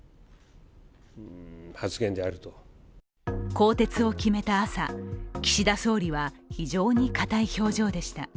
更迭を決めた朝岸田総理は非常にかたい表情でした。